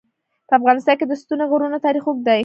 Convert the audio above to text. په افغانستان کې د ستوني غرونه تاریخ اوږد دی.